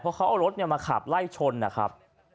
เพราะเขาเอารถมาขับไล่ชนนะครับ